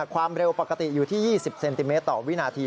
ความเร็วปกติอยู่ที่๒๐เซนติเมตรต่อวินาที